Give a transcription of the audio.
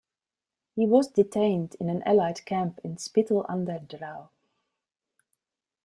He was detained in an Allied camp in Spittal an der Drau.